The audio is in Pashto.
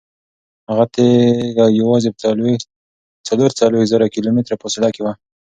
هغه تیږه یوازې په څلور څلوېښت زره کیلومتره فاصله کې وه.